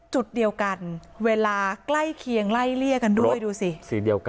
จุดเดียวกันเวลาใกล้เคียงไล่เลี่ยกันด้วยดูสิสีเดียวกัน